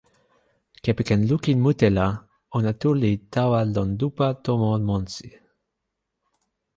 kepeken lukin mute la, ona tu li tawa lon lupa tomo monsi.